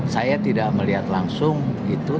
saya tidak melihat langsung itu